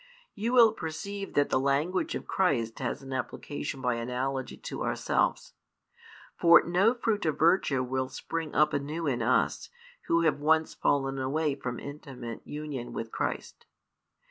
You will perceive that the language of Christ has an application by analogy to ourselves. For no fruit of virtue will spring up anew in us, who have once fallen away from intimate union with Christ.